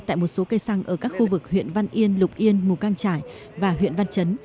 tại một số cây xăng ở các khu vực huyện văn yên lục yên mù cang trải và huyện văn chấn